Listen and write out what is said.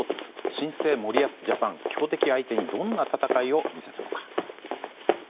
新生森保ジャパン強敵相手にどんな戦いを見せたのか。